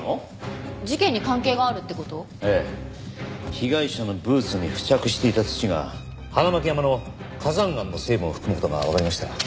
被害者のブーツに付着していた土が花牧山の火山岩の成分を含む事がわかりました。